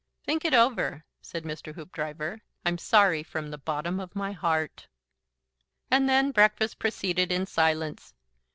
"Think it over," said Mr. Hoopdriver. "I'm sorry from the bottom of my heart." And then breakfast proceeded in silence.